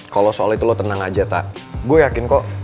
kalau soal itu lo tenang aja tak